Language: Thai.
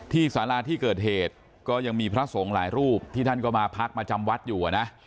สาราที่เกิดเหตุก็ยังมีพระสงฆ์หลายรูปที่ท่านก็มาพักมาจำวัดอยู่นะ